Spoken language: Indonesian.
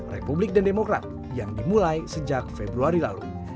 republik dan demokrat yang dimulai sejak februari lalu